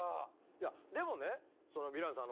いやでもねそのヴィランさん